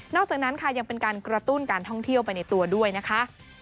อกจากนั้นค่ะยังเป็นการกระตุ้นการท่องเที่ยวไปในตัวด้วยนะคะ